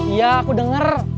iya aku denger